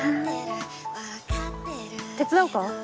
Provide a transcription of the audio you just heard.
手伝おうか？